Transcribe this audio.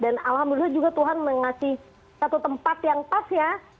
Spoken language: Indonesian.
dan alhamdulillah juga tuhan mengasih satu tempat yang pas ya